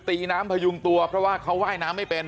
ตีน้ำพยุงตัวเพราะว่าเขาว่ายน้ำไม่เป็น